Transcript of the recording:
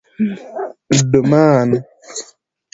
_ډمان